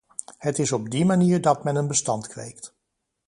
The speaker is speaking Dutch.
Het is op die manier dat men een bestand kweekt.